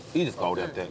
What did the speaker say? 俺やって。